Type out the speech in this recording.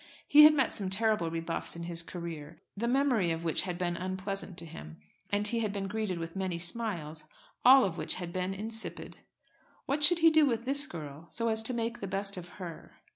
He had met some terrible rebuffs in his career, the memory of which had been unpleasant to him; and he had been greeted with many smiles, all of which had been insipid. What should he do with this girl, so as to make the best of her?